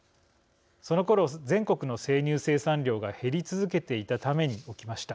そのころ全国の生乳生産量が減り続けていたために起きました。